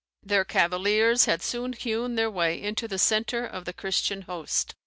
Their cavaliers had soon hewn their way into the centre of the Christian host.